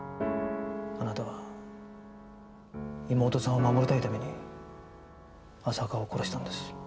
あなたは妹さんを守りたいために浅川を殺したんです。